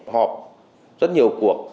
họp rất nhiều cuộc